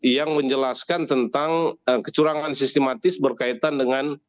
yang menjelaskan tentang kecurangan sistematis berkaitan dengan